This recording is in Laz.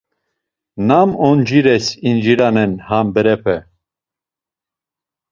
Nam oncires inciranen ham berepe?